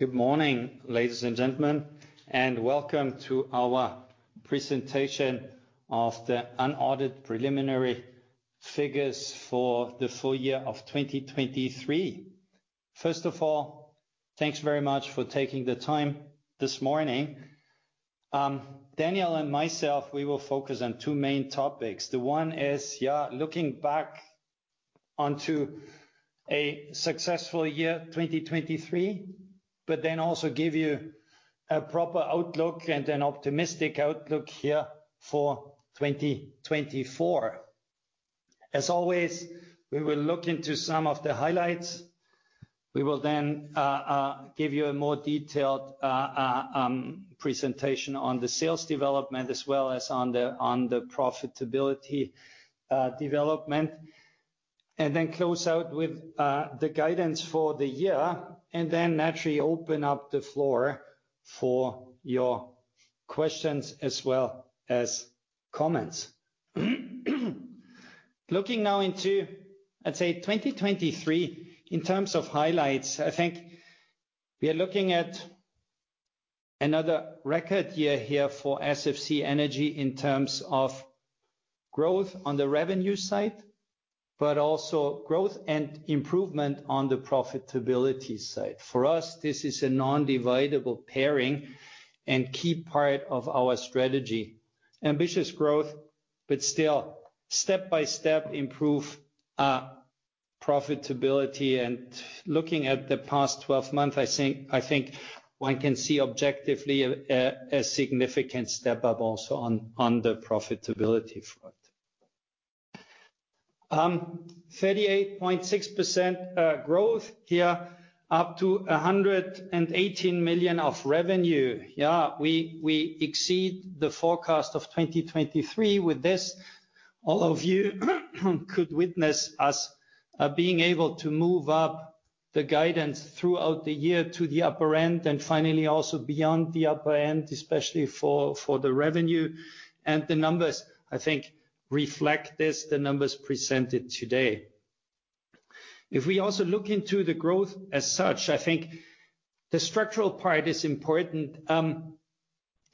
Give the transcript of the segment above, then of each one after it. Good morning, ladies and gentlemen, and welcome to our presentation of the unaudited preliminary figures for the full year of 2023. First of all, thanks very much for taking the time this morning. Daniel and myself, we will focus on two main topics. The one is, yeah, looking back onto a successful year 2023, but then also give you a proper outlook and an optimistic outlook here for 2024. As always, we will look into some of the highlights. We will then give you a more detailed presentation on the sales development as well as on the profitability development. Then close out with the guidance for the year, and then naturally open up the floor for your questions as well as comments. Looking now into, I'd say, 2023 in terms of highlights, I think we are looking at another record year here for SFC Energy in terms of growth on the revenue side, but also growth and improvement on the profitability side. For us, this is a non-divisible pairing and key part of our strategy. Ambitious growth, but still step by step improve profitability. Looking at the past 12 months, I think one can see objectively a significant step up also on the profitability front. 38.6% growth here, up to 118 million of revenue. Yeah, we exceed the forecast of 2023 with this. All of you could witness us being able to move up the guidance throughout the year to the upper end and finally also beyond the upper end, especially for the revenue. And the numbers, I think, reflect this, the numbers presented today. If we also look into the growth as such, I think the structural part is important.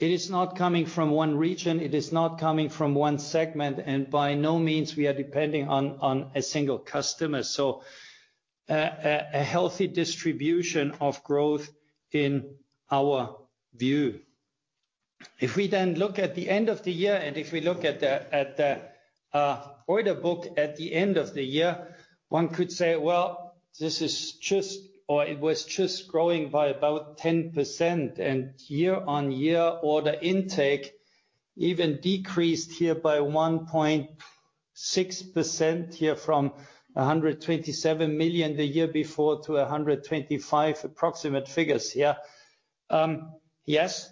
It is not coming from one region. It is not coming from one segment. And by no means we are depending on on a single customer. So, a healthy distribution of growth in our view. If we then look at the end of the year and if we look at the at the, order book at the end of the year, one could say, well, this is just or it was just growing by about 10%. Year-on-year, order intake even decreased here by 1.6% here from 127 million the year before to 125 million approximate figures here. Yes.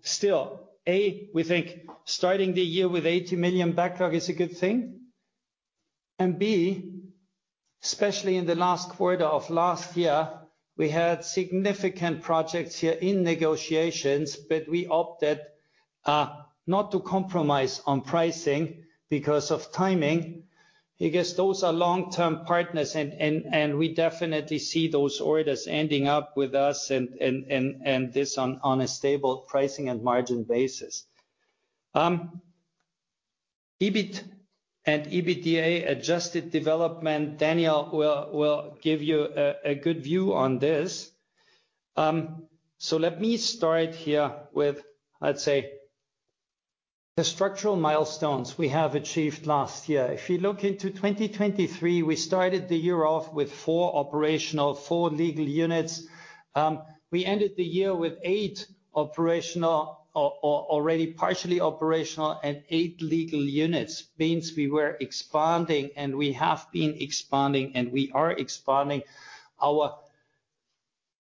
Still, a, we think starting the year with 80 million backlog is a good thing. And B, especially in the last quarter of last year, we had significant projects here in negotiations, but we opted not to compromise on pricing because of timing. I guess those are long-term partners. And we definitely see those orders ending up with us and this on a stable pricing and margin basis. EBIT and EBITDA adjusted development, Daniel will give you a good view on this. So let me start here with, I'd say, the structural milestones we have achieved last year. If you look into 2023, we started the year off with four operational, four legal units. We ended the year with eight operational or already partially operational and eight legal units. Means we were expanding and we have been expanding and we are expanding our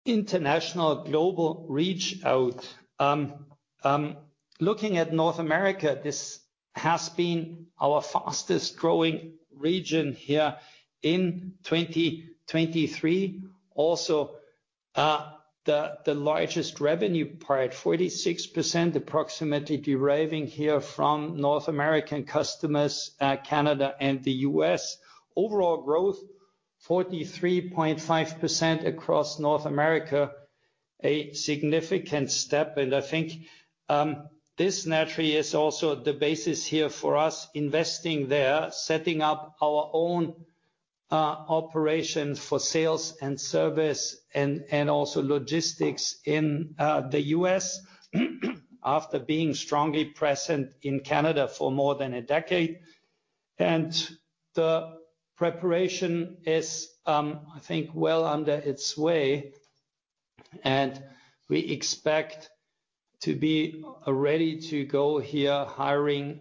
international global reach out. Looking at North America, this has been our fastest growing region here in 2023. Also, the largest revenue part, approximately 46% deriving here from North American customers, Canada and the U.S. Overall growth, 43.5% across North America, a significant step. I think, this naturally is also the basis here for us investing there, setting up our own operations for sales and service and also logistics in the U.S. after being strongly present in Canada for more than a decade. The preparation is, I think, well under way. We expect to be ready to go here. Hiring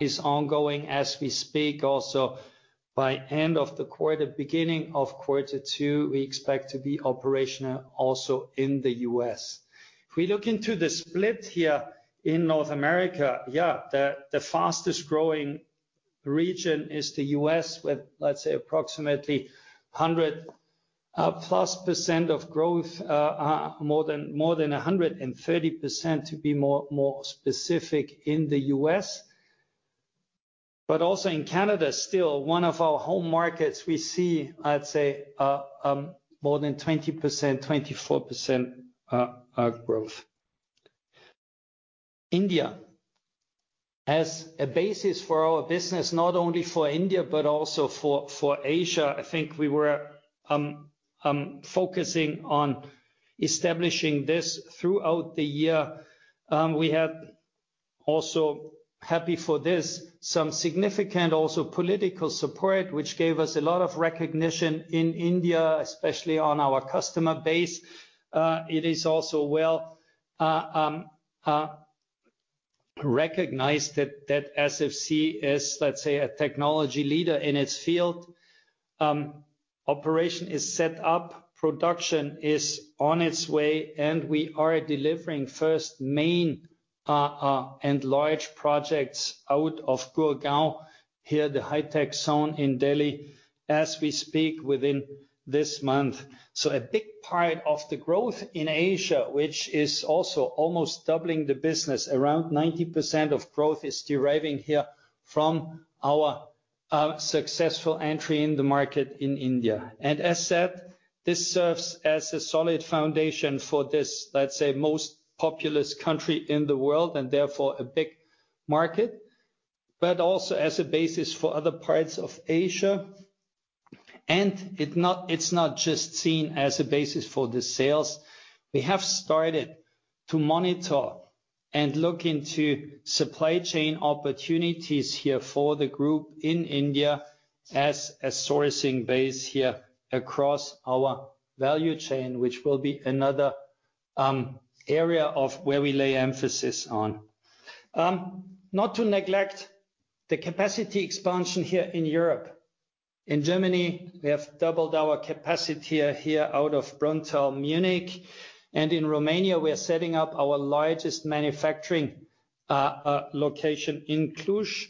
is ongoing as we speak. Also, by end of the quarter, beginning of quarter two, we expect to be operational also in the U.S. If we look into the split here in North America, yeah, the fastest growing region is the U.S. with, let's say, approximately 100+% of growth, more than 130% to be more specific in the U.S. But also in Canada, still one of our home markets, we see, I'd say, more than 20%, 24% growth. India as a basis for our business, not only for India but also for Asia. I think we were focusing on establishing this throughout the year. We had also, happy for this, some significant also political support, which gave us a lot of recognition in India, especially on our customer base. It is also well recognized that SFC is, let's say, a technology leader in its field. Operation is set up. Production is on its way. We are delivering first main and large projects out of Gurgaon, the high-tech zone in Delhi, as we speak within this month. A big part of the growth in Asia, which is also almost doubling the business, around 90% of growth is deriving here from our successful entry in the market in India. As said, this serves as a solid foundation for this, let's say, most populous country in the world and therefore a big market, but also as a basis for other parts of Asia. It's not just seen as a basis for the sales. We have started to monitor and look into supply chain opportunities here for the group in India as a sourcing base here across our value chain, which will be another area of where we lay emphasis on, not to neglect the capacity expansion here in Europe. In Germany, we have doubled our capacity here out of Brunnthal Munich. In Romania, we are setting up our largest manufacturing location in Cluj,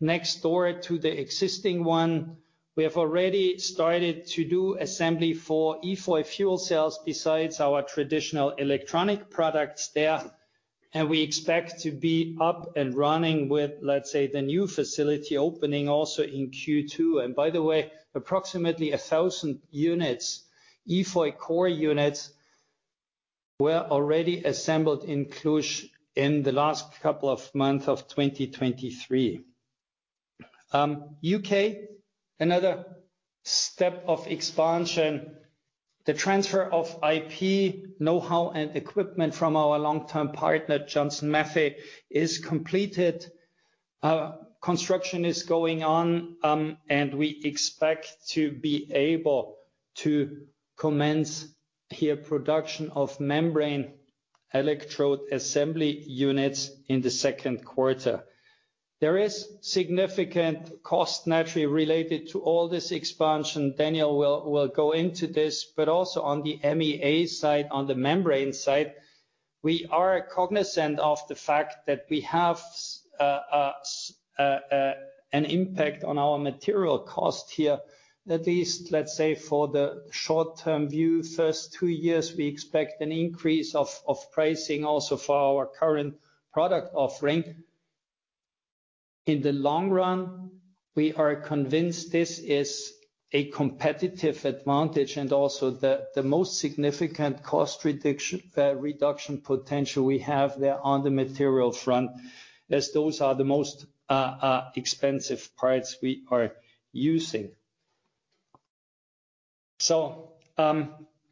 next door to the existing one. We have already started to do assembly for EFOY fuel cells besides our traditional electronic products there. We expect to be up and running with, let's say, the new facility opening also in Q2. By the way, approximately 1,000 units, EFOY core units, were already assembled in Cluj in the last couple of months of 2023. U.K., another step of expansion. The transfer of IP, know-how, and equipment from our long-term partner, Johnson Matthey, is completed. Construction is going on, and we expect to be able to commence production of membrane electrode assembly units in the second quarter. There is significant cost naturally related to all this expansion. Daniel will go into this. But also on the MEA side, on the membrane side, we are cognizant of the fact that we have an impact on our material cost here, at least, let's say, for the short-term view. First two years, we expect an increase of pricing also for our current product offering. In the long run, we are convinced this is a competitive advantage and also the most significant cost reduction potential we have there on the material front, as those are the most expensive parts we are using. So,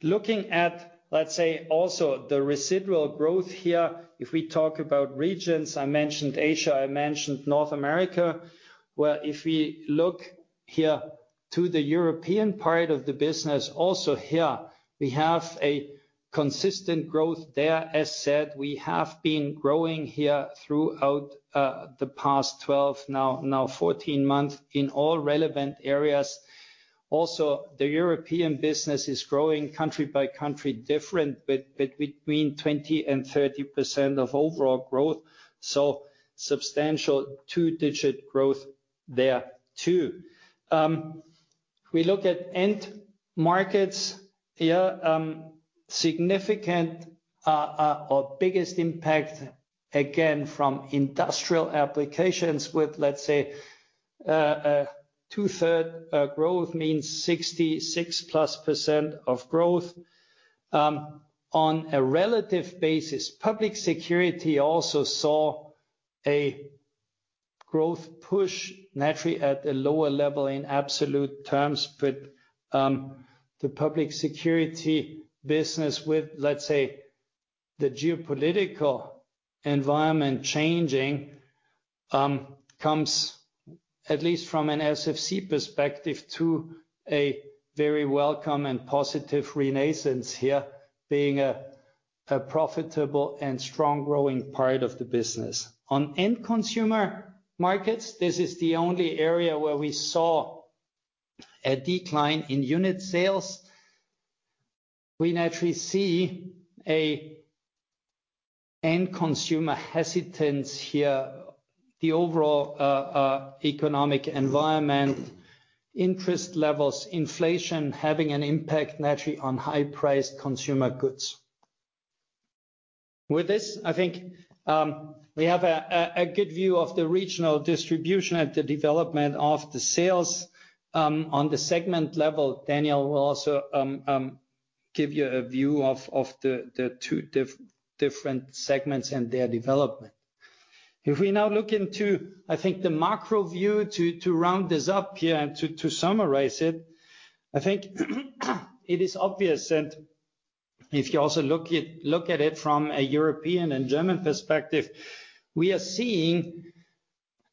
looking at, let's say, also the residual growth here, if we talk about regions, I mentioned Asia, I mentioned North America. Well, if we look here to the European part of the business, also here, we have a consistent growth there. As said, we have been growing here throughout the past 12, now 14 months in all relevant areas. Also, the European business is growing country by country differently, but between 20%-30% of overall growth. So substantial two-digit growth there too. We look at end markets, yeah, significant, or biggest impact again from industrial applications with, let's say, two-thirds growth means 66+% of growth. On a relative basis, public security also saw a growth push naturally at a lower level in absolute terms. But the public security business with, let's say, the geopolitical environment changing, comes at least from an SFC perspective to a very welcome and positive renaissance here, being a profitable and strong growing part of the business. On end consumer markets, this is the only area where we saw a decline in unit sales. We naturally see an end consumer hesitance here. The overall economic environment, interest levels, inflation having an impact naturally on high-priced consumer goods. With this, I think, we have a good view of the regional distribution and the development of the sales, on the segment level. Daniel will also give you a view of the two different segments and their development. If we now look into, I think, the macro view to round this up here and to summarize it, I think it is obvious. And if you also look at it from a European and German perspective, we are seeing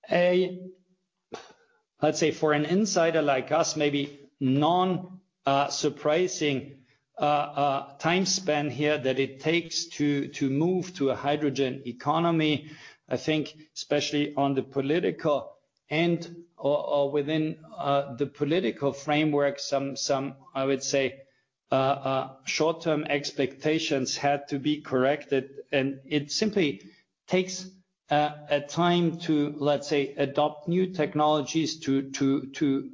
a, let's say, for an insider like us, maybe non-surprising time span here that it takes to move to a hydrogen economy. I think, especially on the political end or within the political framework, some, I would say, short-term expectations had to be corrected. It simply takes a time to, let's say, adopt new technologies to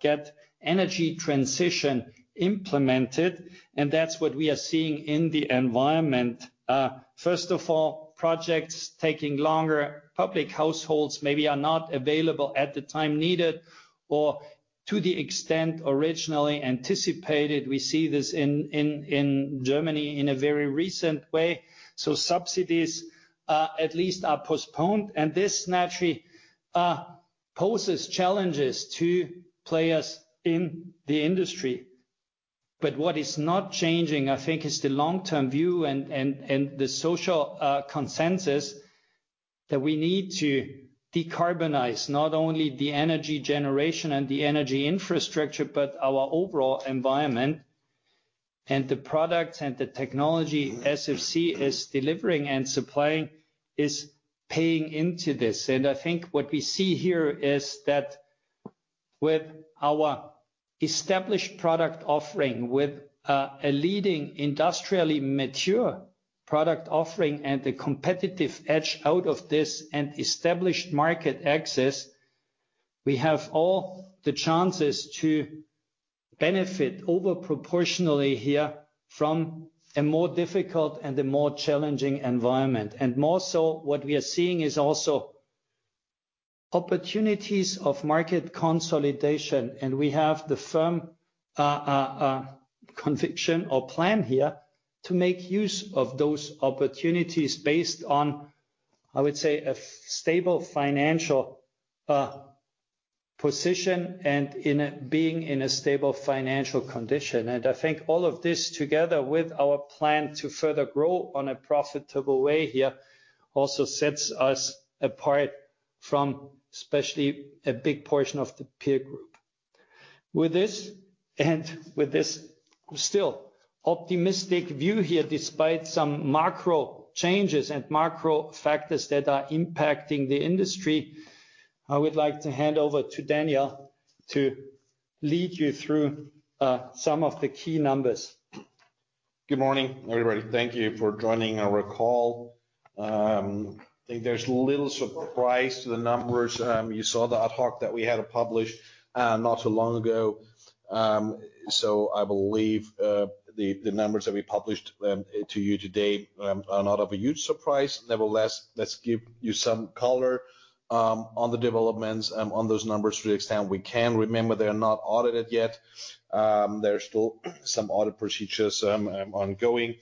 get energy transition implemented. And that's what we are seeing in the environment. First of all, projects taking longer, public households maybe are not available at the time needed or to the extent originally anticipated. We see this in Germany in a very recent way. So subsidies at least are postponed. And this naturally poses challenges to players in the industry. But what is not changing, I think, is the long-term view and the social consensus that we need to decarbonize not only the energy generation and the energy infrastructure, but our overall environment. And the products and the technology SFC is delivering and supplying is paying into this. I think what we see here is that with our established product offering, with a leading industrially mature product offering and the competitive edge out of this and established market access, we have all the chances to benefit overproportionately here from a more difficult and a more challenging environment. More so, what we are seeing is also opportunities of market consolidation. We have the firm conviction or plan here to make use of those opportunities based on, I would say, a stable financial position and in a being in a stable financial condition. I think all of this together with our plan to further grow on a profitable way here also sets us apart from especially a big portion of the peer group. With this and with this still optimistic view here, despite some macro changes and macro factors that are impacting the industry, I would like to hand over to Daniel to lead you through some of the key numbers. Good morning, everybody. Thank you for joining our call. I think there's little surprise to the numbers. You saw the ad hoc that we had published, not too long ago. So I believe, the numbers that we published to you today are not of a huge surprise. Nevertheless, let's give you some color on the developments on those numbers to the extent we can. Remember, they are not audited yet. There are still some audit procedures ongoing,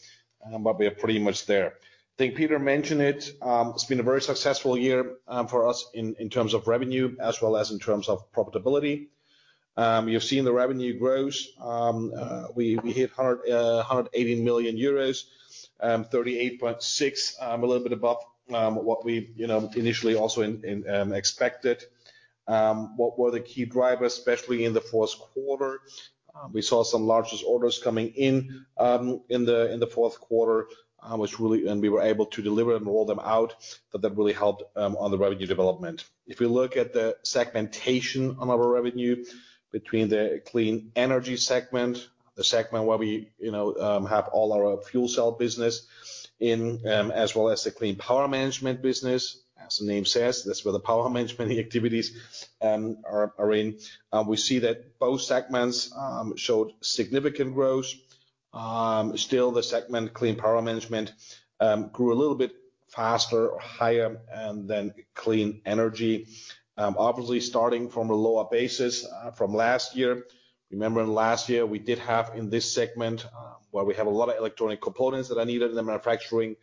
but we are pretty much there. I think Peter mentioned it. It's been a very successful year for us in terms of revenue as well as in terms of profitability. You've seen the revenue growth. We hit 118.0 million euros, 38.6% a little bit above what we, you know, initially also in expected. What were the key drivers, especially in the fourth quarter. We saw some largest orders coming in in the fourth quarter, which really, and we were able to deliver and roll them out, but that really helped on the revenue development. If we look at the segmentation on our revenue between the Clean Energy segment, the segment where we, you know, have all our fuel cell business in, as well as the Clean Power Management business, as the name says, that's where the power management activities are in. We see that both segments showed significant growth. Still, the Clean Power Management segment grew a little bit faster or higher than Clean Energy, obviously starting from a lower basis from last year. Remember, in last year, we did have in this segment, where we have a lot of electronic components that are needed in the manufacturing,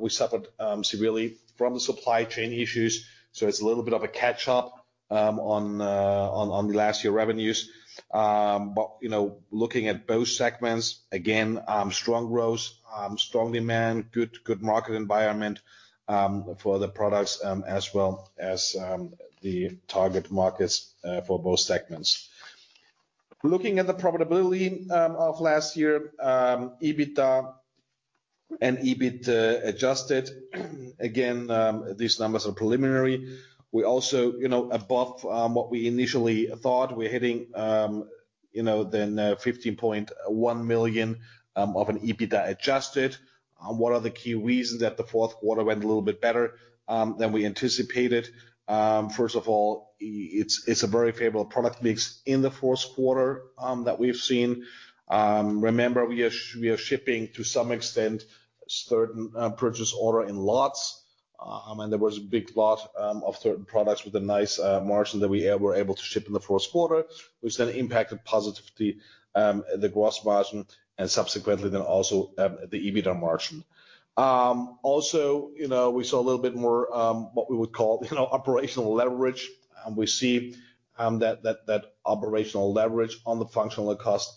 we suffered severely from the supply chain issues. So it's a little bit of a catch-up on the last year revenues. But, you know, looking at both segments, again, strong growth, strong demand, good market environment for the products, as well as the target markets for both segments. Looking at the profitability of last year, EBITDA and EBIT adjusted, again, these numbers are preliminary. We also, you know, above what we initially thought, we're hitting, you know, then, 15.1 million of an EBITDA adjusted. What are the key reasons that the fourth quarter went a little bit better than we anticipated? First of all, it's a very favorable product mix in the fourth quarter that we've seen. Remember, we are shipping to some extent certain purchase order in lots. And there was a big lot of certain products with a nice margin that we were able to ship in the fourth quarter, which then impacted positively the gross margin and subsequently then also the EBITDA margin. Also, you know, we saw a little bit more, what we would call, you know, operational leverage. And we see that operational leverage on the functional cost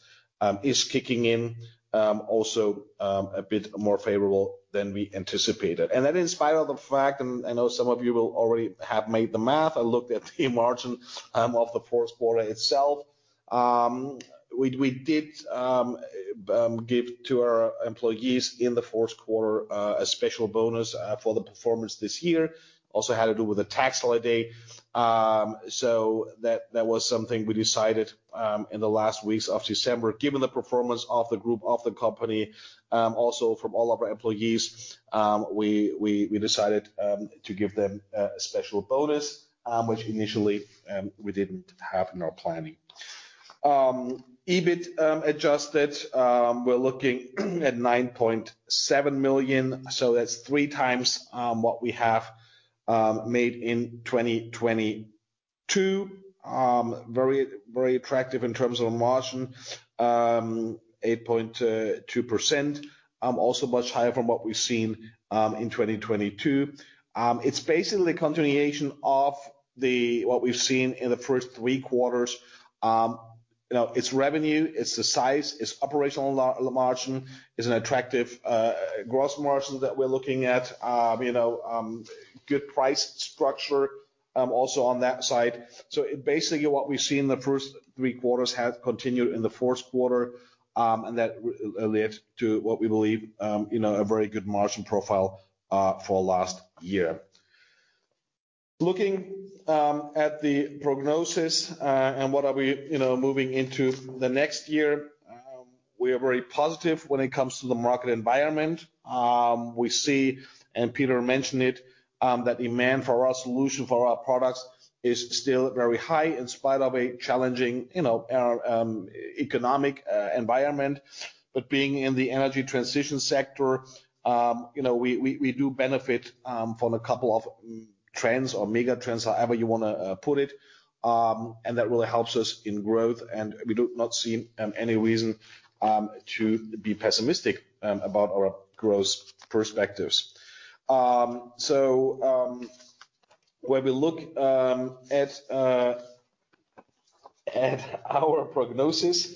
is kicking in, also a bit more favorable than we anticipated. And that in spite of the fact, and I know some of you will already have made the math, I looked at the margin of the fourth quarter itself. We did give to our employees in the fourth quarter a special bonus for the performance this year. Also had to do with a tax holiday. So that was something we decided in the last weeks of December, given the performance of the group, of the company, also from all of our employees, we decided to give them a special bonus, which initially we didn't have in our planning. EBIT, adjusted, we're looking at 9.7 million. So that's 3 times what we have made in 2022. Very very attractive in terms of a margin, 8.2%, also much higher from what we've seen in 2022. It's basically a continuation of what we've seen in the first three quarters. You know, it's revenue, it's the size, it's operational margin, it's an attractive gross margin that we're looking at, you know, good price structure, also on that side. So it basically what we've seen in the first three quarters has continued in the fourth quarter, and that led to what we believe, you know, a very good margin profile for last year. Looking at the prognosis, and what are we, you know, moving into the next year, we are very positive when it comes to the market environment. We see, and Peter mentioned it, that demand for our solution for our products is still very high in spite of a challenging, you know, our economic environment. But being in the energy transition sector, you know, we do benefit from a couple of trends or mega trends, however you want to put it. And that really helps us in growth. And we do not see any reason to be pessimistic about our growth perspectives. So, when we look at our prognosis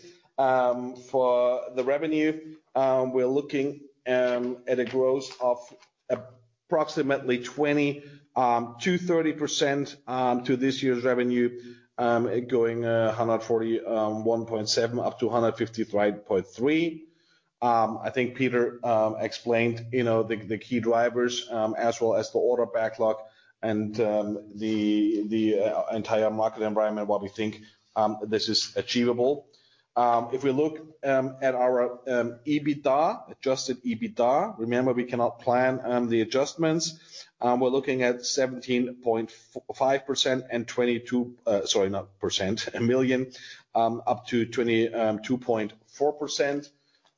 for the revenue, we're looking at a growth of approximately 20%-30% to this year's revenue, going 141.7 million up to 153.3 million. I think Peter explained, you know, the key drivers, as well as the order backlog and the entire market environment—what we think this is achievable. If we look at our EBITDA, adjusted EBITDA, remember we cannot plan the adjustments. We're looking at 17.5 million and 22 million, up to 22.4 million.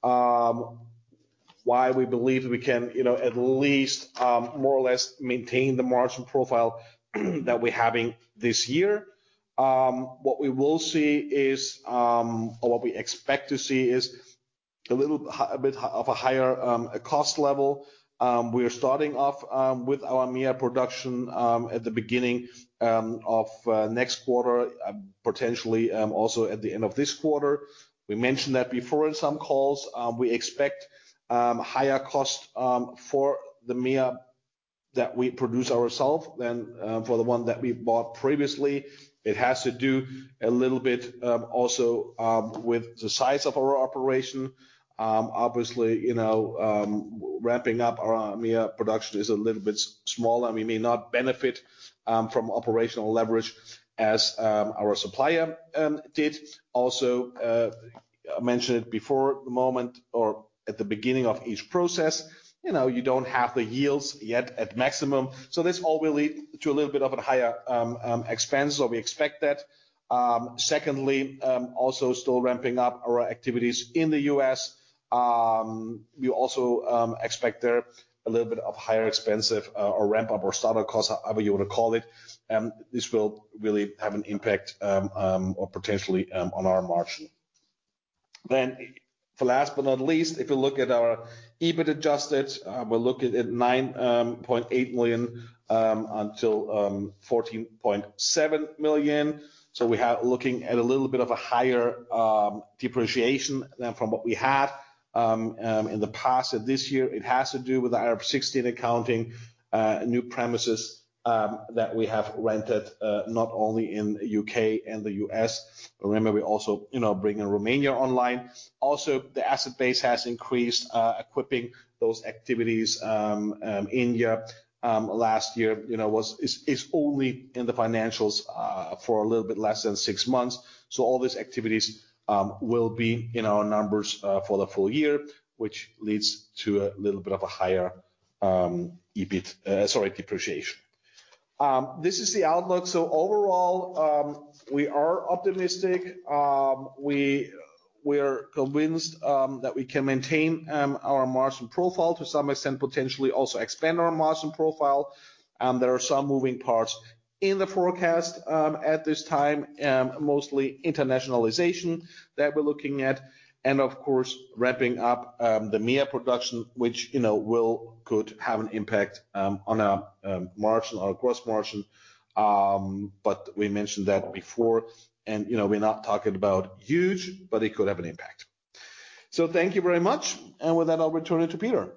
Why we believe we can, you know, at least more or less maintain the margin profile that we're having this year. What we will see is, or what we expect to see is a little bit of a higher cost level. We are starting off with our MEA production at the beginning of next quarter, potentially also at the end of this quarter. We mentioned that before in some calls. We expect higher cost for the MEA that we produce ourselves than for the one that we bought previously. It has to do a little bit also with the size of our operation. Obviously, you know, ramping up our MEA production is a little bit smaller. We may not benefit from operational leverage as our supplier did. Also, I mentioned it before the moment or at the beginning of each process, you know, you don't have the yields yet at maximum. So this all will lead to a little bit of a higher expense, so we expect that. Secondly, also still ramping up our activities in the U.S. We also expect there a little bit of higher expense, or ramp up or startup cost, however you want to call it. This will really have an impact, or potentially, on our margin. Then, last but not least, if you look at our EBIT adjusted, we're looking at 9.8 million-14.7 million. So we have looking at a little bit of a higher depreciation than from what we had in the past. And this year, it has to do with the IFRS 16 accounting, new premises that we have rented, not only in the U.K. and the U.S. Remember, we also, you know, bringing Romania online. Also, the asset base has increased, equipping those activities, India, last year, you know, was only in the financials for a little bit less than six months. So all these activities will be in our numbers for the full year, which leads to a little bit of a higher depreciation. This is the outlook. So overall, we are optimistic. We are convinced that we can maintain our margin profile to some extent, potentially also expand our margin profile. There are some moving parts in the forecast at this time, mostly internationalization that we're looking at. And of course, ramping up the MEA production, which, you know, could have an impact on our margin, our gross margin. But we mentioned that before. And, you know, we're not talking about huge, but it could have an impact. So thank you very much. And with that, I'll return it to Peter.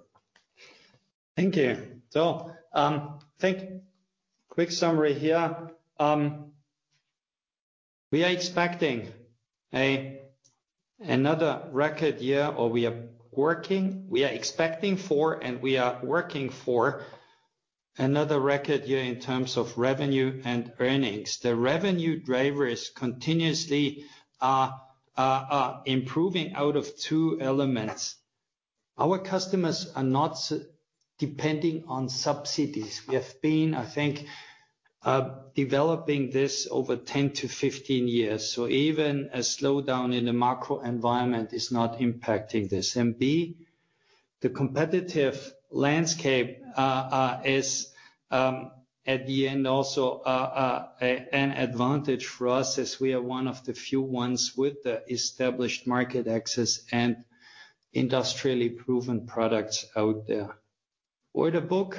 Thank you. So, think quick summary here. We are expecting another record year, and we are working for another record year in terms of revenue and earnings. The revenue drivers continuously are improving out of two elements. Our customers are not depending on subsidies. We have been, I think, developing this over 10-15 years. So even a slowdown in the macro environment is not impacting this. And B, the competitive landscape, is, at the end also, an advantage for us as we are one of the few ones with the established market access and industrially proven products out there. Order book.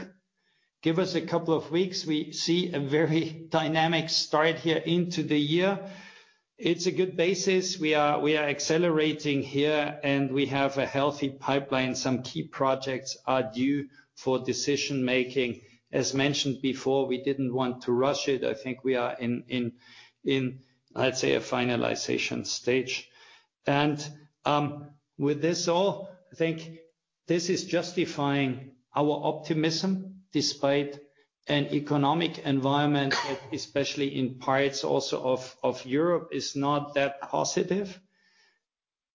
Give us a couple of weeks. We see a very dynamic start here into the year. It's a good basis. We are accelerating here and we have a healthy pipeline. Some key projects are due for decision making. As mentioned before, we didn't want to rush it. I think we are in, let's say, a finalization stage. And, with this all, I think this is justifying our optimism despite an economic environment that especially in parts also of Europe is not that positive.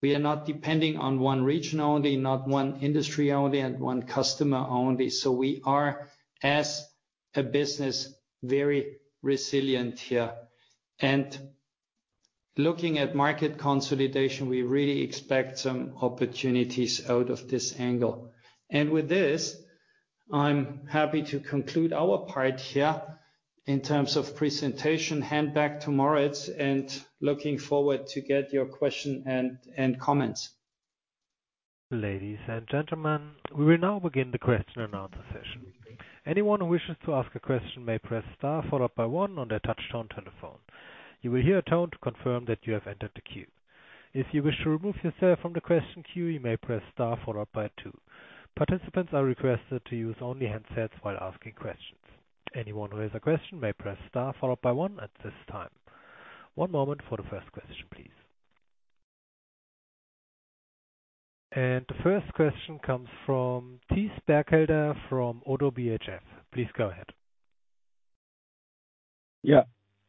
We are not depending on one region only, not one industry only, and one customer only. So we are as a business very resilient here. Looking at market consolidation, we really expect some opportunities out of this angle. With this, I'm happy to conclude our part here in terms of presentation. Hand back to Moritz and looking forward to get your question and comments. Ladies and gentlemen, we will now begin the question and answer session. Anyone who wishes to ask a question may press star followed by one on their touch tone telephone. You will hear a tone to confirm that you have entered the queue. If you wish to remove yourself from the question queue, you may press star followed by two. Participants are requested to use only handsets while asking questions. Anyone who has a question may press star followed by one at this time. One moment for the first question, please. And the first question comes from Thijs Berkelder from ODDO BHF. Please go ahead. Yeah.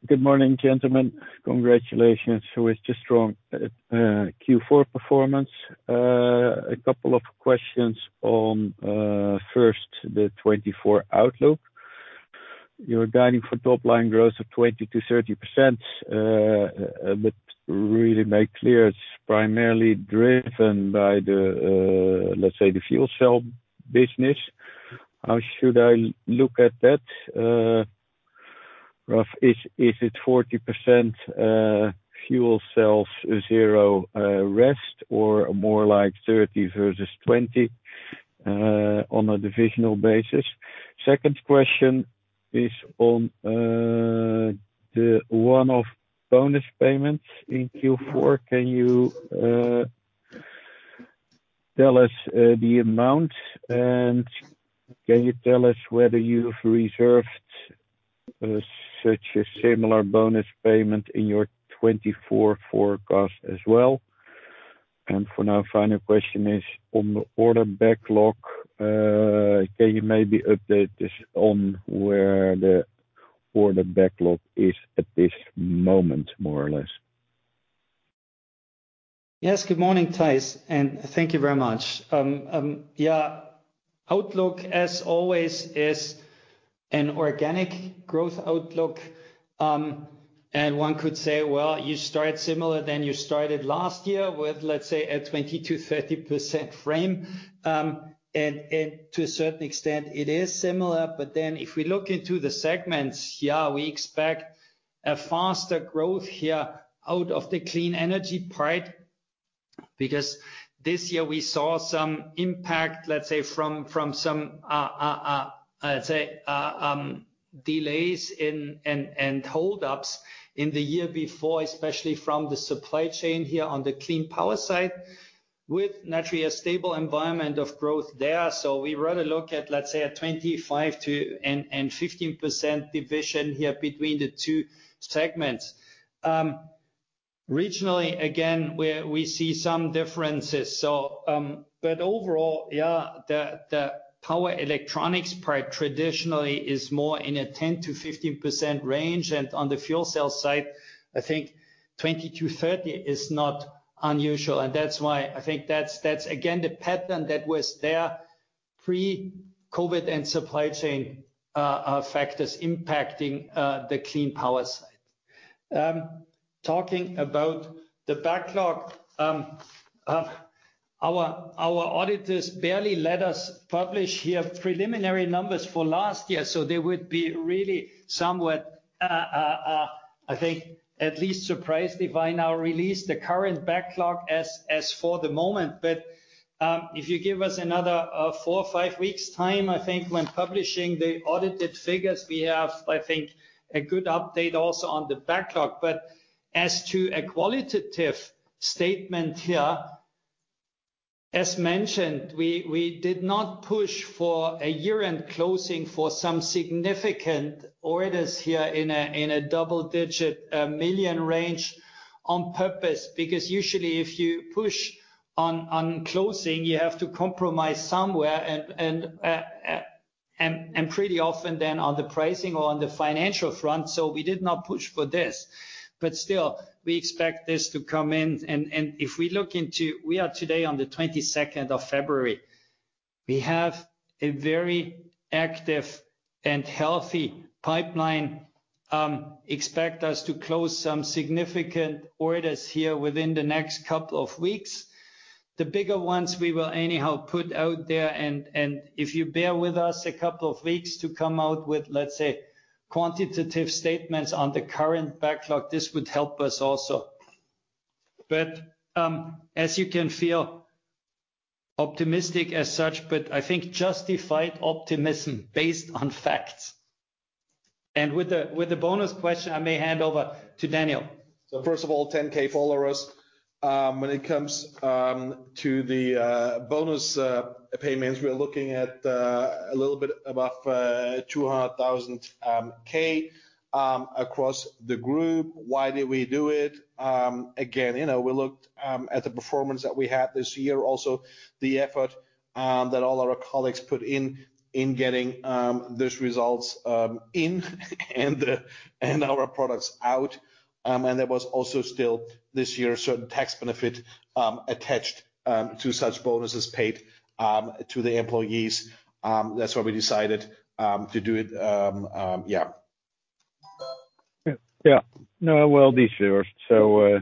Good morning, gentlemen. Congratulations. So it's just a strong Q4 performance. A couple of questions on first the 2024 outlook. You're guiding for top line growth of 20%-30%, but really made clear it's primarily driven by the, let's say, the fuel cell business. How should I look at that? Roughly, is it 40%, fuel cells, zero, rest or more like 30% versus 20%, on a divisional basis? Second question is on the one-off bonus payments in Q4. Can you tell us the amount and can you tell us whether you've reserved such a similar bonus payment in your 2024 forecast as well? And for now, the final question is on the order backlog. Can you maybe update us on where the order backlog is at this moment, more or less? Yes. Good morning, Thijs. Thank you very much. Yeah. Outlook, as always, is an organic growth outlook. And one could say, well, you started similar than you started last year with, let's say, a 20%-30% frame. And to a certain extent, it is similar. But then if we look into the segments, yeah, we expect a faster growth here out of the clean energy part because this year we saw some impact, let's say, from some, let's say, delays and holdups in the year before, especially from the supply chain here on the clean power side with naturally a stable environment of growth there. So we rather look at, let's say, a 25% and 15% division here between the two segments. Regionally, again, we see some differences. So, but overall, yeah, the power electronics part traditionally is more in a 10%-15% range. And on the fuel cell side, I think 20%-30% is not unusual. And that's why I think that's, again, the pattern that was there pre-COVID and supply chain factors impacting the clean power side. Talking about the backlog, our auditors barely let us publish the preliminary numbers for last year. So they would be really somewhat, I think at least surprised if I now release the current backlog as for the moment. But if you give us another 4 or 5 weeks' time, I think when publishing the audited figures, we have, I think, a good update also on the backlog. But as to a qualitative statement here, as mentioned, we did not push for a year-end closing for some significant orders here in a double-digit million range on purpose because usually if you push on closing, you have to compromise somewhere and pretty often then on the pricing or on the financial front. So we did not push for this. But still, we expect this to come in. And if we look into, we are today on the 22nd of February. We have a very active and healthy pipeline. Expect us to close some significant orders here within the next couple of weeks. The bigger ones we will anyhow put out there. If you bear with us a couple of weeks to come out with, let's say, quantitative statements on the current backlog, this would help us also. But as you can feel optimistic as such, but I think justified optimism based on facts. And with the bonus question, I may hand over to Daniel. So first of all, 10,000 followers. When it comes to the bonus payments, we're looking at a little bit above 200,000 across the group. Why did we do it? Again, you know, we looked at the performance that we had this year, also the effort that all our colleagues put in getting these results in and our products out. And there was also still this year a certain tax benefit attached to such bonuses paid to the employees. That's why we decided to do it, yeah. Yeah. No, well deserved. So,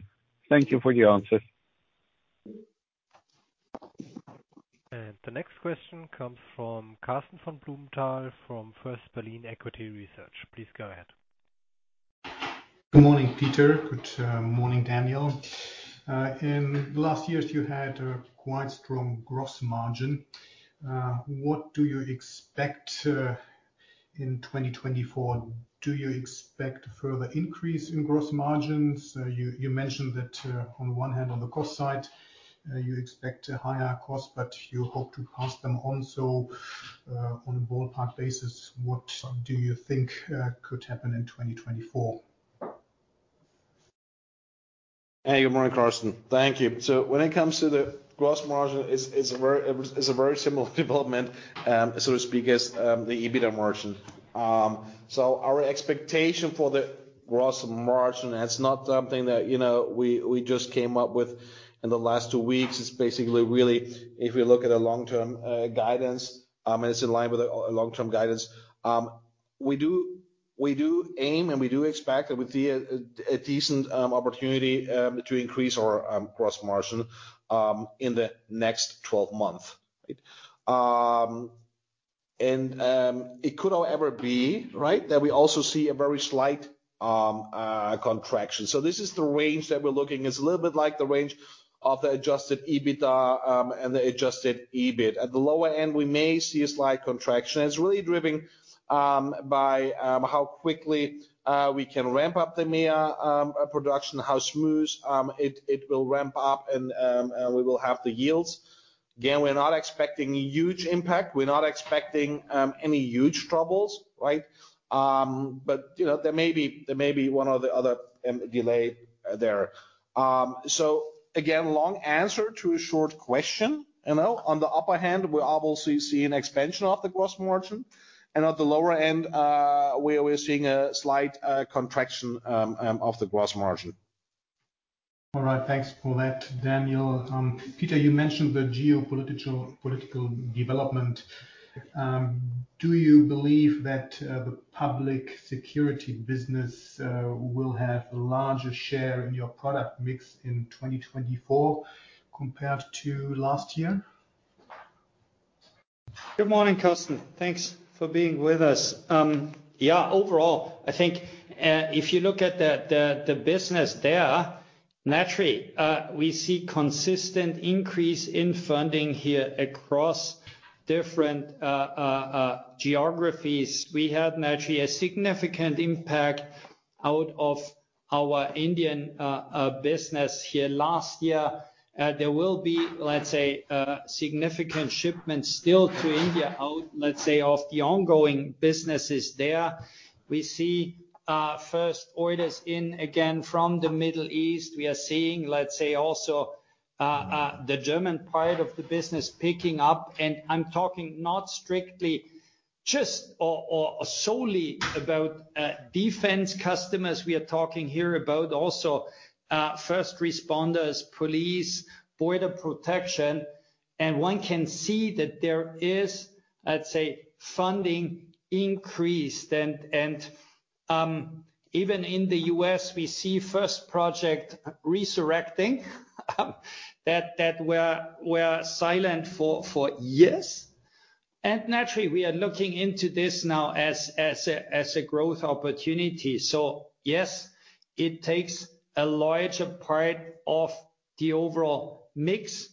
thank you for the answers. The next question comes from Karsten von Blumenthal from First Berlin Equity Research. Please go ahead. Good morning, Peter. Good morning, Daniel. In the last years, you had a quite strong gross margin. What do you expect in 2024? Do you expect a further increase in gross margins? You mentioned that, on the one hand, on the cost side, you expect a higher cost, but you hope to pass them on. So, on a ballpark basis, what do you think could happen in 2024? Hey, good morning, Karsten. Thank you. So when it comes to the gross margin, it's a very similar development, so to speak, as the EBITDA margin. So our expectation for the gross margin, and it's not something that, you know, we just came up with in the last two weeks. It's basically really if we look at a long-term guidance, and it's in line with a long-term guidance. We do aim and we do expect that we see a decent opportunity to increase our gross margin in the next 12 months, right? And it could however be, right, that we also see a very slight contraction. So this is the range that we're looking. It's a little bit like the range of the adjusted EBITDA and the adjusted EBIT. At the lower end, we may see a slight contraction. It's really driven by how quickly we can ramp up the MEA production, how smooth it will ramp up and we will have the yields. Again, we're not expecting huge impact. We're not expecting any huge troubles, right? You know, there may be one or the other delay there. Again, long answer to a short question, you know? On the upper hand, we're obviously seeing expansion of the gross margin. At the lower end, we're seeing a slight contraction of the gross margin. All right. Thanks for that, Daniel. Peter, you mentioned the geopolitical political development. Do you believe that the public security business will have a larger share in your product mix in 2024 compared to last year? Good morning, Karsten. Thanks for being with us. Yeah, overall, I think if you look at the business there, naturally, we see consistent increase in funding here across different geographies. We had naturally a significant impact out of our Indian business here last year. There will be, let's say, significant shipments still to India out, let's say, of the ongoing businesses there. We see first orders in again from the Middle East. We are seeing, let's say, also, the German part of the business picking up. And I'm talking not strictly just or solely about defense customers. We are talking here about also first responders, police, border protection. And one can see that there is, let's say, funding increased. And even in the U.S., we see first projects resurrecting that were silent for years. And naturally, we are looking into this now as a growth opportunity. So yes, it takes a larger part of the overall mix.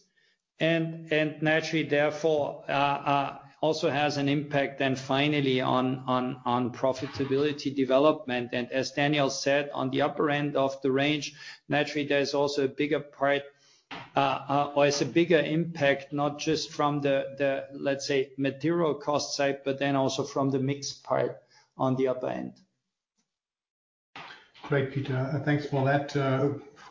And naturally, therefore, also has an impact then finally on profitability development. As Daniel said, on the upper end of the range, naturally, there's also a bigger part, or it's a bigger impact not just from the, let's say, material cost side, but then also from the mix part on the upper end. Great, Peter. Thanks for that.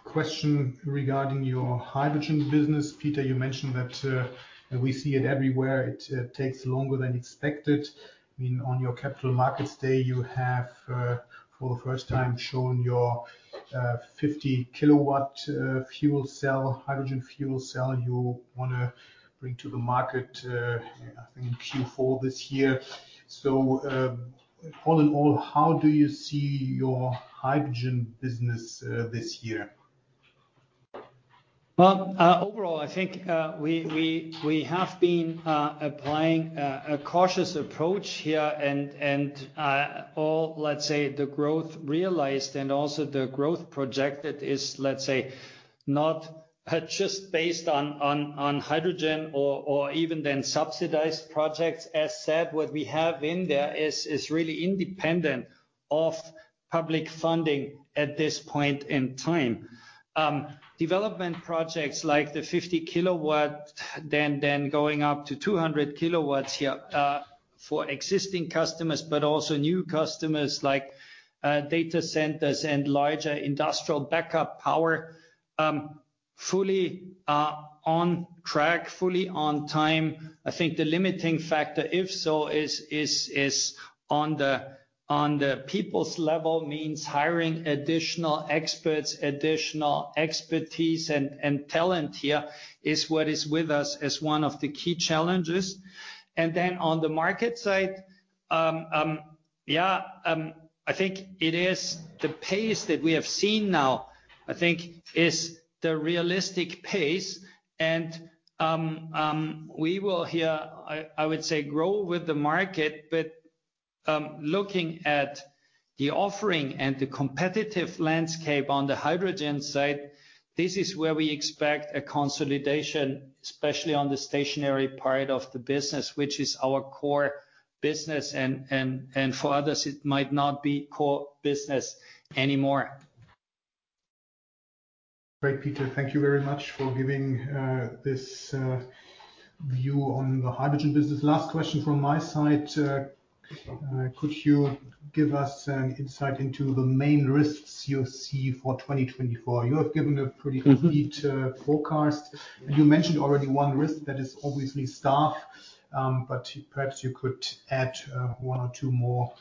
Question regarding your hydrogen business. Peter, you mentioned that, we see it everywhere. It takes longer than expected. I mean, on your capital markets day, you have, for the first time shown your, 50 kW, fuel cell, hydrogen fuel cell you want to bring to the market, I think in Q4 this year. So, all in all, how do you see your hydrogen business, this year? Well, overall, I think, we have been applying a cautious approach here and, all, let's say, the growth realized and also the growth projected is, let's say, not just based on hydrogen or even then subsidized projects. As said, what we have in there is really independent of public funding at this point in time. Development projects like the 50 kW then going up to 200 kW here, for existing customers, but also new customers like data centers and larger industrial backup power, fully on track, fully on time. I think the limiting factor, if so, is on the people's level, means hiring additional experts, additional expertise and talent here is what is with us as one of the key challenges. Then on the market side, yeah, I think it is the pace that we have seen now, I think, is the realistic pace. And, we will here, I would say, grow with the market, but, looking at the offering and the competitive landscape on the hydrogen side, this is where we expect a consolidation, especially on the stationary part of the business, which is our core business. And for others, it might not be core business anymore. Great, Peter. Thank you very much for giving this view on the hydrogen business. Last question from my side. Could you give us an insight into the main risks you see for 2024? You have given a pretty complete forecast. And you mentioned already one risk that is obviously staff, but perhaps you could add one or two more.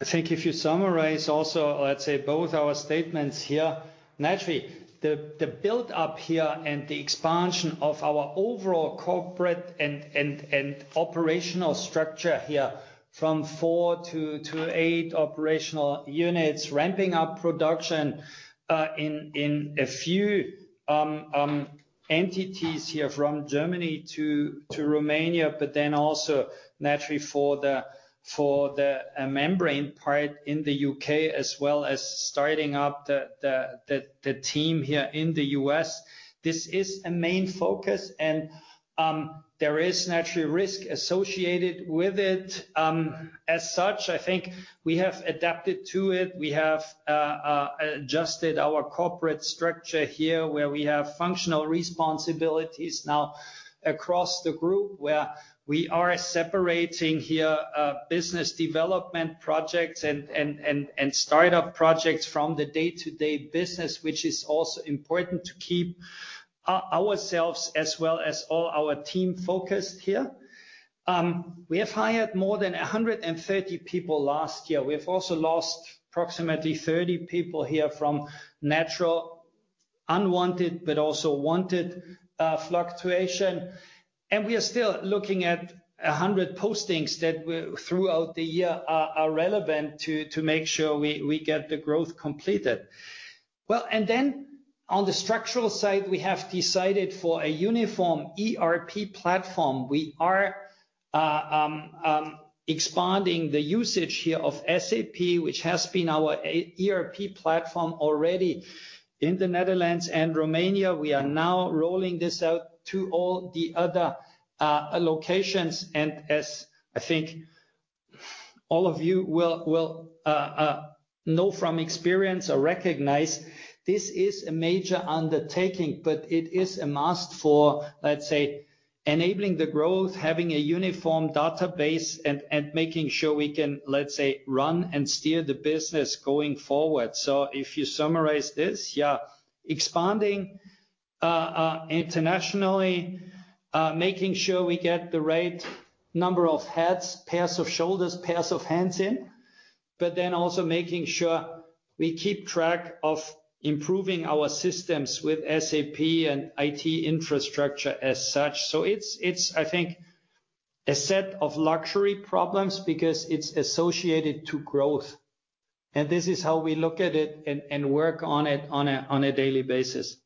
I think if you summarize also, let's say, both our statements here, naturally, the buildup here and the expansion of our overall coporate and operational structure here from 4 to 8 operational units, ramping up production, in a few, entities here from Germany to Romania, but then also naturally for the membrane part in the U.K. as well as starting up the team here in the U.S. This is a main focus. There is naturally risk associated with it. As such, I think we have adapted to it. We have adjusted our corporate structure here where we have functional responsibilities now across the group where we are separating here, business development projects and startup projects from the day-to-day business, which is also important to keep ourselves as well as all our team focused here. We have hired more than 130 people last year. We have also lost approximately 30 people here from natural unwanted, but also wanted, fluctuation. We are still looking at 100 postings that throughout the year are relevant to make sure we get the growth completed. Well, and then on the structural side, we have decided for a uniform ERP platform. We are expanding the usage here of SAP, which has been our ERP platform already in the Netherlands and Romania. We are now rolling this out to all the other locations. As I think all of you will know from experience or recognize, this is a major undertaking, but it is a must for, let's say, enabling the growth, having a uniform database and making sure we can, let's say, run and steer the business going forward. So if you summarize this, yeah, expanding internationally, making sure we get the right number of heads, pairs of shoulders, pairs of hands in, but then also making sure we keep track of improving our systems with SAP and IT infrastructure as such. So it's, I think, a set of luxury problems because it's associated to growth. And this is how we look at it and work on it on a daily basis.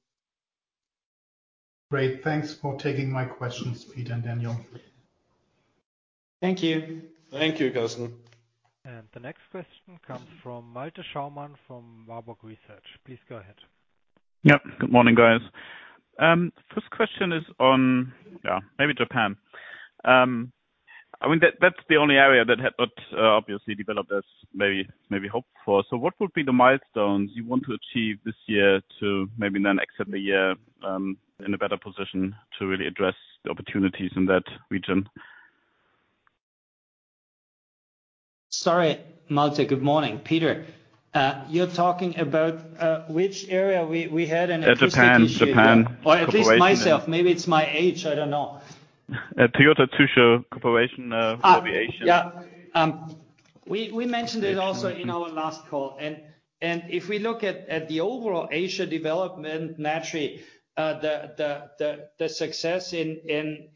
Great. Thanks for taking my questions, Peter and Daniel. Thank you. Thank you, Karsten. And the next question comes from Malte Schaumann from Warburg Research. Please go ahead. Yep. Good morning, guys. First question is on, yeah, maybe Japan. I mean, that's the only area that had not, obviously, developed as maybe hoped for. So what would be the milestones you want to achieve this year to maybe then exit the year in a better position to really address the opportunities in that region? Malte. Good morning, Peter. You're talking about which area? We had an exclusive question? Japan. Japan. Or at least myself. Maybe it's my age. I don't know. Toyota Tsusho Corporation for the Asia. Yeah. We mentioned it also in our last call. And if we look at the overall Asia development, naturally, the success in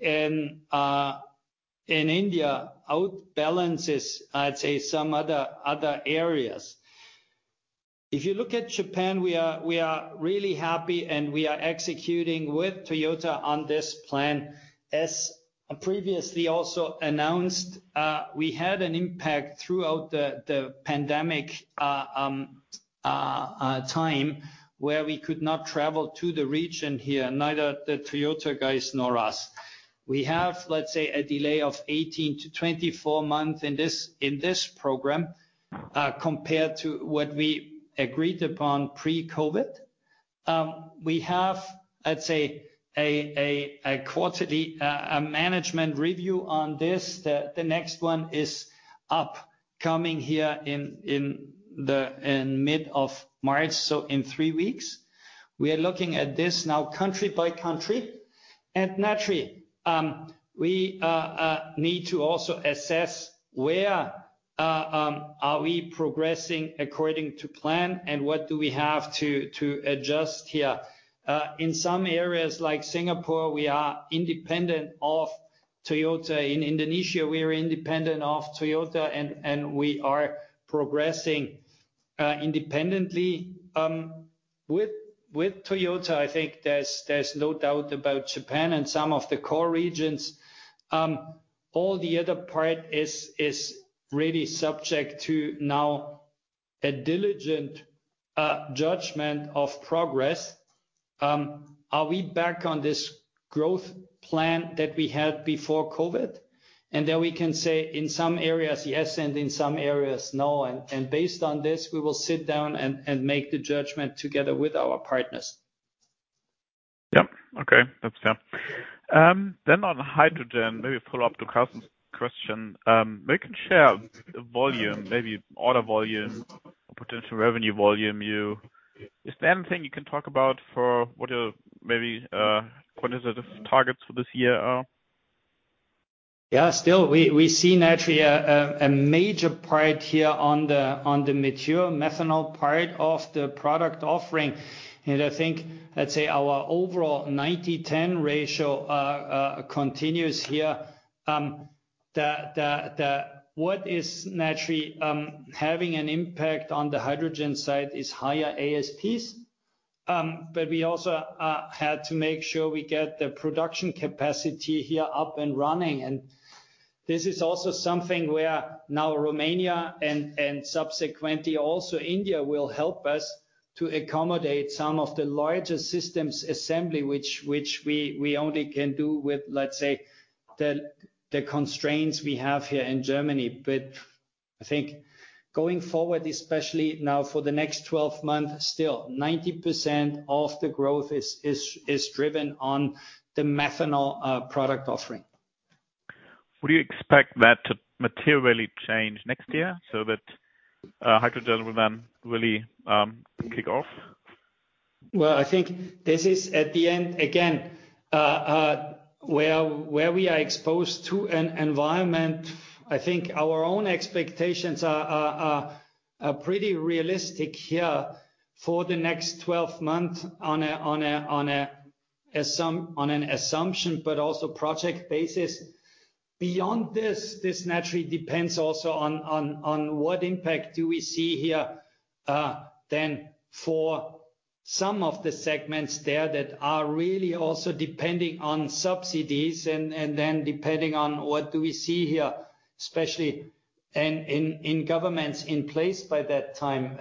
India outbalances, I'd say, some other areas. If you look at Japan, we are really happy and we are executing with Toyota on this plan. As previously also announced, we had an impact throughout the pandemic time where we could not travel to the region here, neither the Toyota guys nor us. We have, let's say, a delay of 18-24 months in this program, compared to what we agreed upon pre-COVID. We have, I'd say, a quarterly management review on this. The next one is upcoming here in mid-March, so in three weeks. We are looking at this now country by country. And naturally, we need to also assess where we are progressing according to plan and what we have to adjust here. In some areas like Singapore, we are independent of Toyota. In Indonesia, we are independent of Toyota, and we are progressing independently with Toyota. I think there's no doubt about Japan and some of the core regions. All the other part is really subject to now a diligent judgment of progress. Are we back on this growth plan that we had before COVID? And then we can say in some areas, yes, and in some areas, no. And based on this, we will sit down and make the judgment together with our partners. Yep. Okay. That's yeah. Then on hydrogen, maybe follow up to Karsten's question. Maybe you can share volume, maybe order volume, potential revenue volume. Is there anything you can talk about for what your, maybe, quantitative targets for this year are? Yeah, still. We see naturally a major part here on the mature methanol part of the product offering. And I think, let's say, our overall 90-10 ratio continues here. What is naturally having an impact on the hydrogen side is higher ASPs. But we also had to make sure we get the production capacity here up and running. And this is also something where now Romania and subsequently also India will help us to accommodate some of the largest systems assembly, which we only can do with, let's say, the constraints we have here in Germany. But I think going forward, especially now for the next 12 months, still 90% of the growth is driven on the methanol product offering. Would you expect that to materially change next year so that hydrogen will then really kick off? Well, I think this is at the end, again, where we are exposed to an environment. I think our own expectations are pretty realistic here for the next 12 months on an assumption, but also project basis. Beyond this, this naturally depends also on what impact do we see here, then for some of the segments there that are really also depending on subsidies and then depending on what do we see here, especially in governments in place by that time,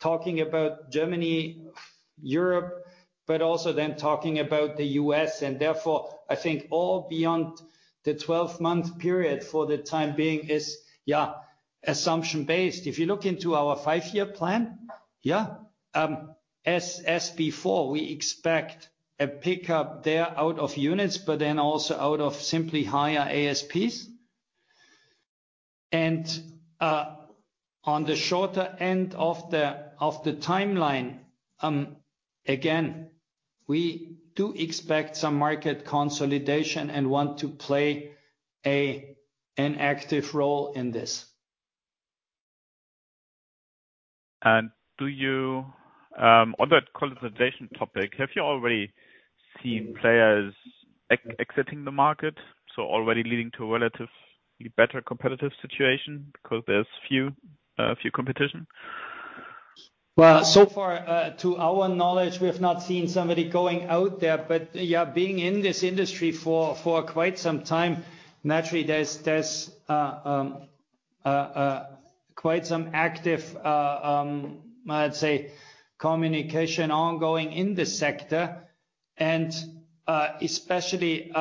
talking about Germany, Europe, but also then talking about the U.S. And therefore, I think all beyond the 12-month period for the time being is, yeah, assumption-based. If you look into our five-year plan, yeah, as before, we expect a pickup there out of units, but then also out of simply higher ASPs. On the shorter end of the timeline, again, we do expect some market consolidation and want to play an active role in this. Do you, on that consolidation topic, have you already seen players exiting the market, so already leading to a relatively better competitive situation because there's few competition? Well, so far, to our knowledge, we have not seen somebody going out there. But yeah, being in this industry for quite some time, naturally, there's quite some active, I'd say, communication ongoing in the sector. Especially,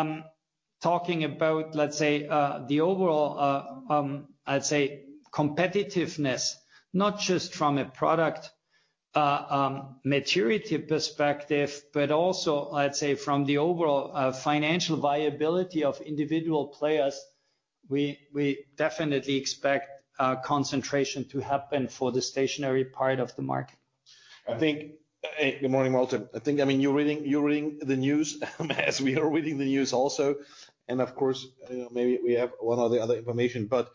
talking about, let's say, the overall, I'd say, competitiveness, not just from a product, maturity perspective, but also, I'd say, from the overall, financial viability of individual players, we definitely expect concentration to happen for the stationary part of the market. I think, good morning, Malte. I think, I mean, you're reading the news as we are reading the news also. And of course, you know, maybe we have one or the other information. But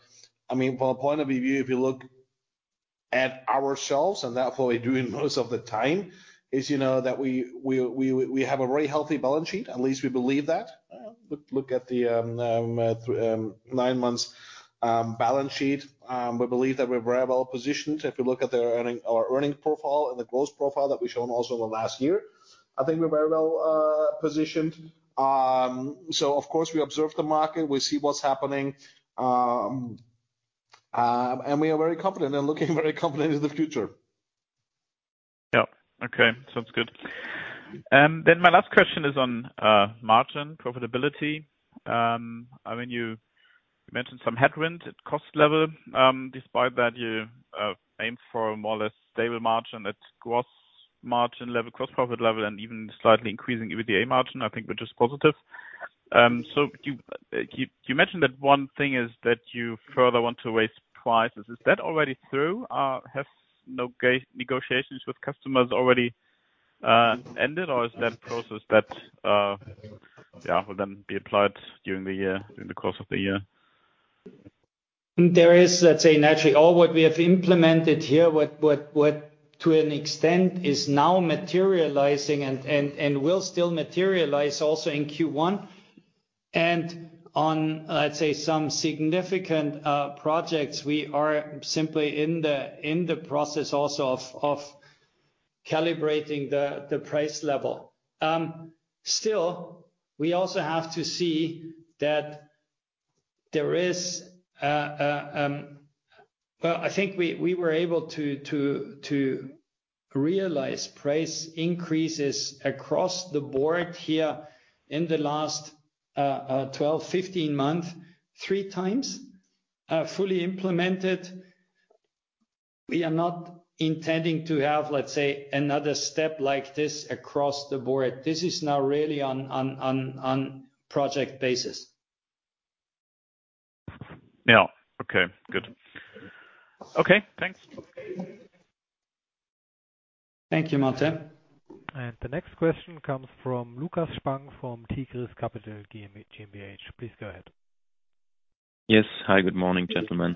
I mean, from a point of view, if you look at ourselves, and that's what we do in most of the time, is, you know, that we have a very healthy balance sheet, at least we believe that. Look at the nine months balance sheet. We believe that we're very well positioned. If you look at their earnings, our earnings profile and the growth profile that we've shown also in the last year, I think we're very well positioned. So of course, we observe the market. We see what's happening. We are very confident and looking very confident in the future. Yep. Okay. Sounds good. My last question is on margins, profitability. I mean, you mentioned some headwind at cost level. Despite that, you aim for more or less stable margin at gross margin level, gross profit level, and even slightly increasing EBITDA margin. I think we're just positive. So you mentioned that one thing is that you further want to raise prices. Is that already through? Have no negotiations with customers already ended, or is that process that, yeah, will then be applied during the year during the course of the year? There is, let's say, naturally, all what we have implemented here, what to an extent is now materializing and will still materialize also in Q1. And on, let's say, some significant projects, we are simply in the process also of calibrating the price level. Still, we also have to see that there is, well, I think we were able to realize price increases across the board here in the last 12, 15 months, three times, fully implemented. We are not intending to have, let's say, another step like this across the board. This is now really on project basis. Yeah. Okay. Good. Okay. Thanks. Thank you, Malte. And the next question comes from Lukas Spang from Tigris Capital GmbH. Please go ahead. Yes. Hi. Good morning, gentlemen.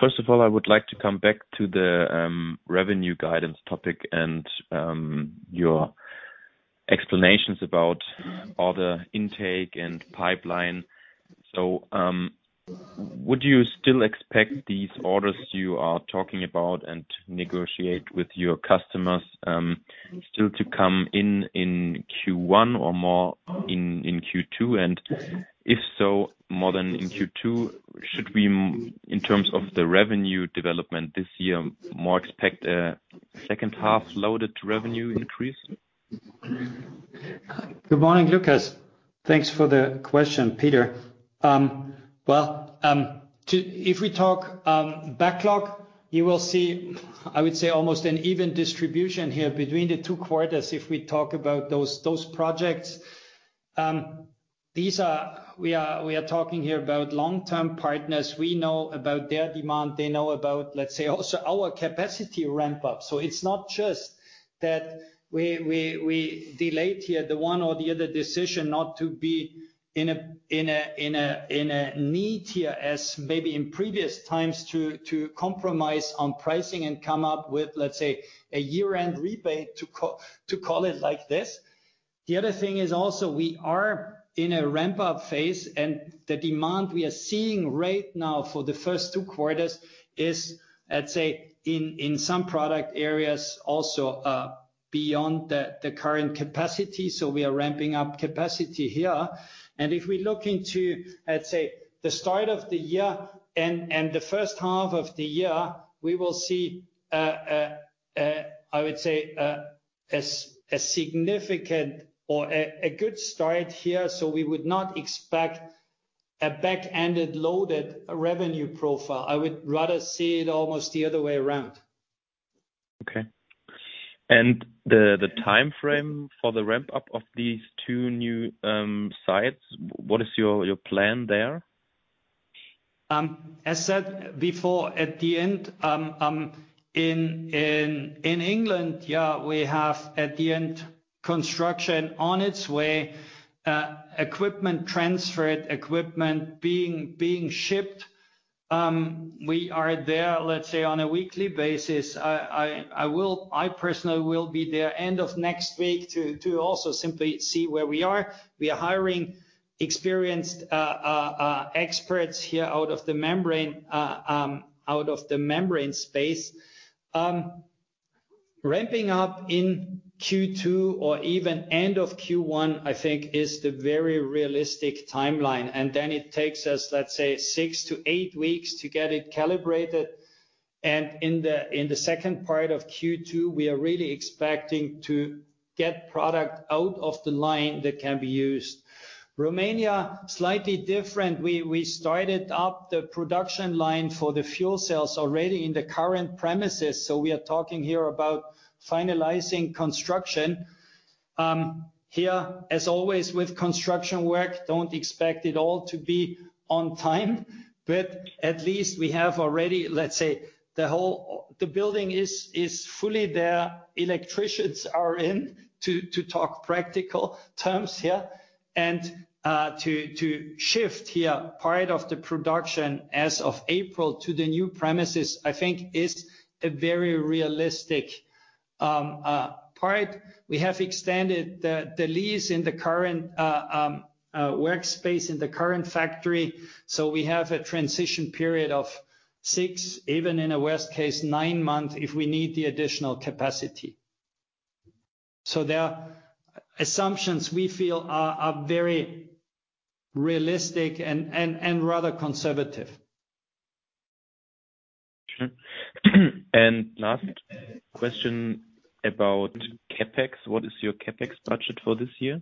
First of all, I would like to come back to the revenue guidance topic and your explanations about order intake and pipeline. So, would you still expect these orders you are talking about and negotiate with your customers, still to come in in Q1 or more in Q2? And if so, more than in Q2, should we, in terms of the revenue development this year, more expect a second-half loaded revenue increase? Good morning, Lukas. Thanks for the question, Peter. Well, if we talk backlog, you will see, I would say, almost an even distribution here between the two quarters if we talk about those projects. These are we are talking here about long-term partners. We know about their demand. They know about, let's say, also our capacity ramp-up. So it's not just that we delayed here the one or the other decision not to be in a need here as maybe in previous times to compromise on pricing and come up with, let's say, a year-end rebate to call it like this. The other thing is also we are in a ramp-up phase, and the demand we are seeing right now for the first two quarters is, let's say, in some product areas also, beyond the current capacity. So we are ramping up capacity here. And if we look into, let's say, the start of the year and the first half of the year, we will see, I would say, a significant or a good start here. So we would not expect a back-ended loaded revenue profile. I would rather see it almost the other way around. Okay. And the time frame for the ramp-up of these 2 new sites, what is your plan there? As said before, at the end, in England, yeah, we have at the end construction on its way, equipment transferred, equipment being shipped. We are there, let's say, on a weekly basis. I personally will be there end of next week to also simply see where we are. We are hiring experienced experts here out of the membrane space. Ramping up in Q2 or even end of Q1, I think, is the very realistic timeline. And then it takes us, let's say, 6-8 weeks to get it calibrated. In the second part of Q2, we are really expecting to get product out of the line that can be used. Romania, slightly different. We started up the production line for the fuel cells already in the current premises. So we are talking here about finalizing construction. Here, as always with construction work, don't expect it all to be on time. But at least we have already, let's say, the whole building is fully there. Electricians are in to talk practical terms here and, to shift here part of the production as of April to the new premises, I think, is a very realistic part. We have extended the lease in the current workspace in the current factory. So we have a transition period of 6, even in a worst case, 9 months if we need the additional capacity. So there are assumptions we feel are very realistic and rather conservative. Sure. Last question about capex. What is your capex budget for this year?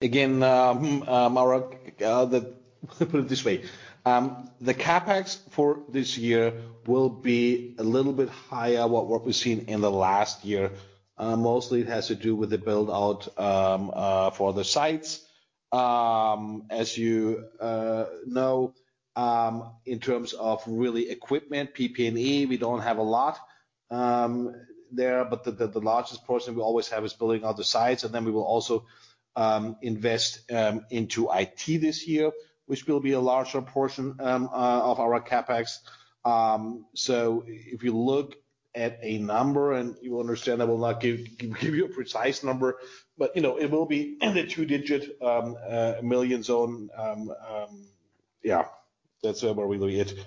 Again, to put it this way. The capex for this year will be a little bit higher—what we've seen in the last year. Mostly it has to do with the build-out for the sites. As you know, in terms of really equipment, PP&E, we don't have a lot there. But the largest portion we always have is building out the sites. And then we will also invest into IT this year, which will be a larger portion of our capex. So if you look at a number, and you will understand I will not give you a precise number, but, you know, it will be in the two-digit million zone, yeah, that's where we will be at. You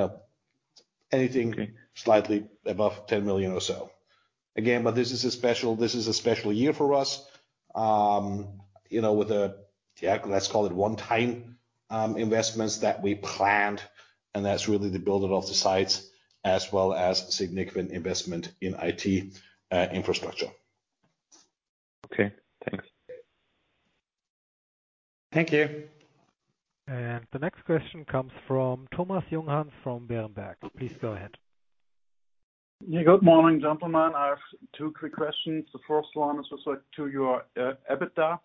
know, anything slightly above 10 million or so. Again, but this is a special year for us, you know, with a yeah, let's call it one-time investments that we planned. And that's really the build-out of the sites as well as significant investment in IT infrastruct ure. Okay. Thanks. Thank you. And the next question comes from Thomas Junghanns from Berenberg. Please go ahead. Yeah. Good morning, gentlemen. I have two quick questions. The first one is just like to your EBITDA.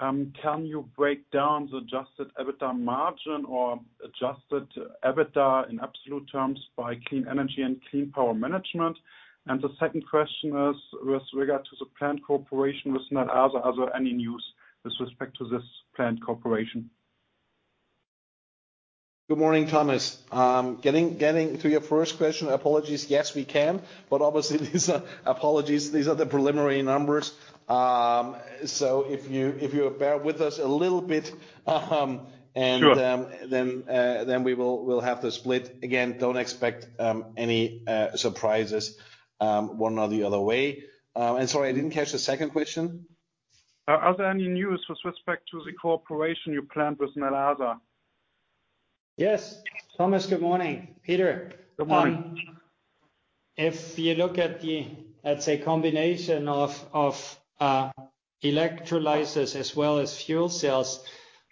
Can you break down the adjusted EBITDA margin or adjusted EBITDA in absolute terms by Clean Energy and Clean Power Management? The second question is with regard to the planned cooperation. Was not also are there any news with respect to this planned coperation? Good morning, Thomas. Getting to your first question, apologies, yes, we can. But obviously, these are apologies, these are the preliminary numbers. So if you bear with us a little bit, and then. Sure. Then we will have the split. Again, don't expect any surprises, one or the other way. And sorry, I didn't catch the second question. Are there any news with respect to the coperation you planned with Nel ASA? Yes. Thomas, good morning. Peter. Good morning. If you look at the, let's say, combination of electrolysis as well as fuel cells,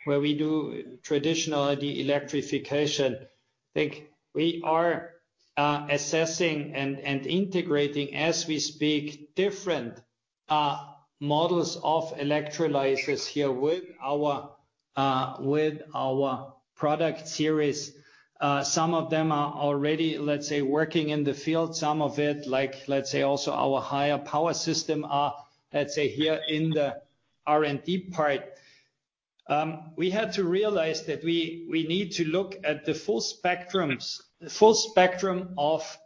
where we do traditional electrification, I think we are assessing and integrating as we speak different models of electrolysis here with our product series. Some of them are already, let's say, working in the field. Some of it, like, let's say, also our higher power system are, let's say, here in the R&D part. We had to realize that we need to look at the full spectrum of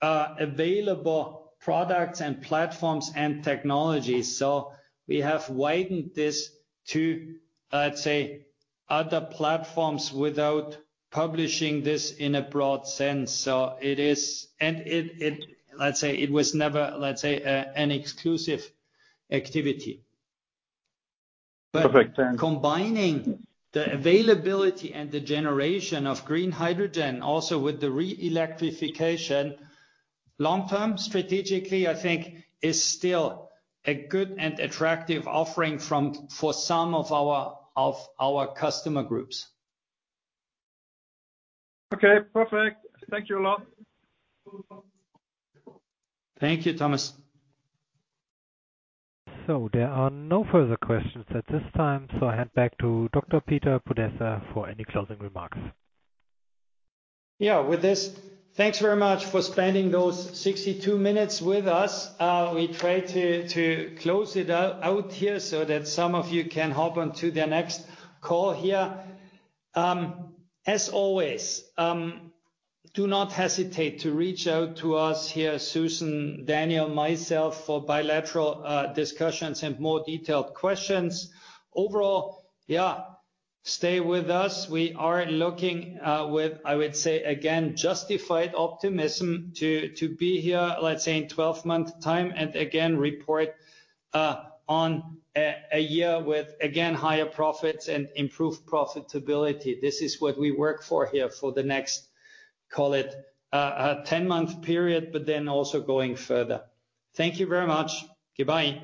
available products and platforms and technologies. So we have widened this to, let's say, other platforms without publishing this in a broad sense. So it is and it, let's say, it was never, let's say, an exclusive activity. Perfect. Combining the availability and the generation of green hydrogen also with the re-electrification, long-term, strategically, I think, is still a good and attractive offering for some of our customer groups. Okay. Perfect. Thank you a lot. Thank you, Thomas. So there are no further questions at this time. So I hand back to Dr. Peter Podesser for any closing remarks. Yeah. With this, thanks very much for spending those 62 minutes with us. We try to close it out here so that some of you can hop onto their next call here. As always, do not hesitate to reach out to us here, Susan, Daniel, myself, for bilateral discussions and more detailed questions. Overall, yeah, stay with us. We are looking, with, I would say, again, justified optimism to be here, let's say, in 12-month time and again report on a year with, again, higher profits and improved profitability. This is what we work for here for the next, call it, 10-month period, but then also going further. Thank you very much. Goodbye.